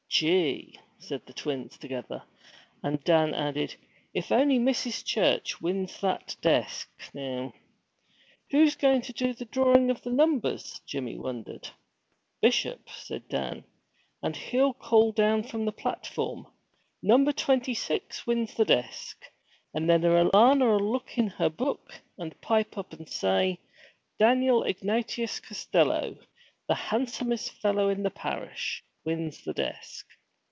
'Gee!' said the twins together; and Dan added, 'If only Mrs. Church wins that desk, now!' 'Who's going to do the drawing of numbers?' Jimmy wondered. 'Bishop,' said Dan; 'and he'll call down from the platform, "Number twenty six wins the desk." And then Alanna'll look in her book, and pipe up and say, "Daniel Ignatius Costello, the handsomest fellow in the parish, wins the desk."'